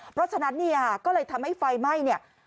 เพราะฉะนั้นเนี่ยก็เลยทำให้ไฟไหม้เนี่ย